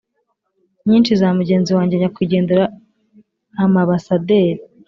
nyinshi za mugenzi wanjye nyakwigendera amabasaderi